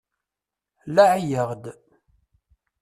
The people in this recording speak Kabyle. Laɛi-yaɣ-d.